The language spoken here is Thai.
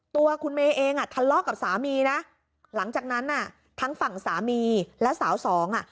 ตัวคุณเมย์เองอ่ะทะเลาะกับสามีนะหลังจากนั้นน่ะทั้งฝั่งสามีและสาวสองอ่ะ